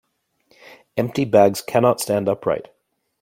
Empty bags cannot stand upright.